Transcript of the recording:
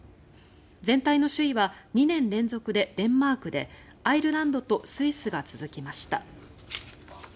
全体の首位は２年連続でデンマークでアイルランドとスイスが続きました。